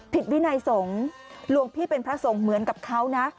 วินัยสงฆ์หลวงพี่เป็นพระสงฆ์เหมือนกับเขานะ